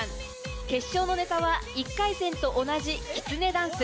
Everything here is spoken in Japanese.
決勝のネタは１回戦と同じきつねダンス。